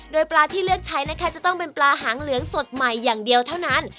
โดยปลาที่เลือกใช้นะคะจะต้องเป็นปลาหางเหลืองสดใหม่อย่างเดียวเท่านั้น